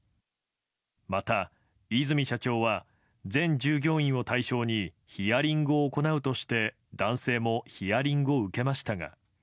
また、和泉社長は全従業員を対象にヒアリングを行うとして、男性もヒアリングを受けましたが。